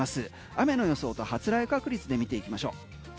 雨の予想と発雷確率で見ていきましょう。